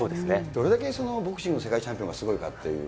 どれだけボクシングの世界チャンピオンがすごいかっていう。